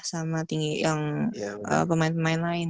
sama tinggi yang pemain pemain lain